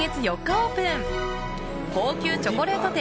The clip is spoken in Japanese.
オープン高級チョコレート店